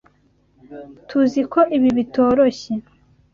Tuziko ibi bitoroshye.